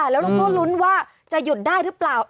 แล้วเราก็ลุ้นว่าจะหยุดได้หรือเปล่า